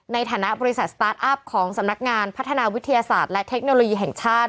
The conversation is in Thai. ในฐานะบริษัทสตาร์ทอัพของสำนักงานพัฒนาวิทยาศาสตร์และเทคโนโลยีแห่งชาติ